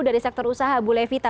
dari sektor usaha bu levita